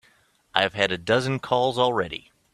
I've had a dozen calls already.